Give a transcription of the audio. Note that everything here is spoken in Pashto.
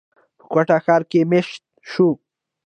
پۀ کوئټه ښار کښې ميشته شو،